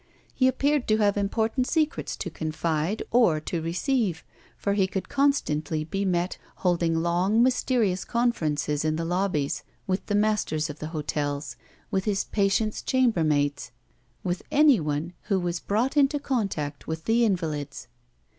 He appeared to have important secrets to confide or to receive, for he could constantly be met holding long mysterious conferences in the lobbies with the masters of the hotels, with his patients' chambermaids, with anyone who was brought into contact with the invalids.